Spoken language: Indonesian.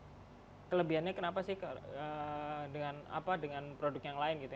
tapi kelebihannya kenapa sih dengan produk yang lain gitu